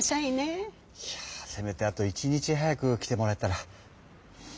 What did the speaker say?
いやぁせめてあと１日早く来てもらえたら。